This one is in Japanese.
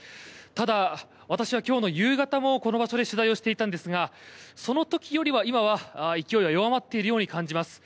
ただ、私は今日の夕方もこの場所で取材をしていたんですがその時よりは今は勢いは弱まっているように感じます。